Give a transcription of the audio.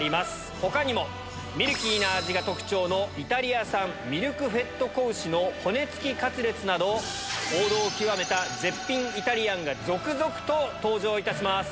ほかにも、ミルキーな味が特徴のイタリア産ミルクフェッド仔牛の、骨付きカツレツなど、王道を極めた絶品イタリアンが続々と登場いたします。